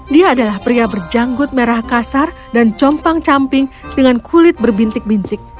dia adalah pria berjanggut merah kasar dan compang camping dengan kulit berbintik bintik